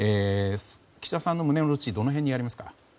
岸田さんの胸の内はどの辺にありますか？